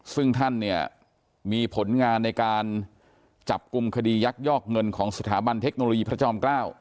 ซึ่งท่านเนี่ยมีผลงานในการจับกลุ่มคดียักยอกเงินของสถาบันเทคโนโลยีพระจอมเกล้า